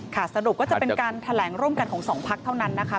สรุปก็จะเป็นการแถลงร่วมกันของสองพักเท่านั้นนะคะ